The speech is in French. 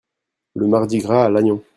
Le Mardi-Gras à Lannion.